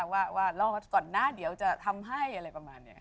ว่ารอดก่อนนะเดี๋ยวจะทำให้อะไรประมาณนี้